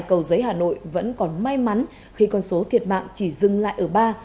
cầu giấy hà nội vẫn còn may mắn khi con số thiệt mạng chỉ dừng lại ở ba